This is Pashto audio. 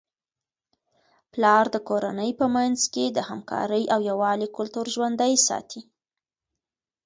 پلار د کورنی په منځ کي د همکارۍ او یووالي کلتور ژوندۍ ساتي.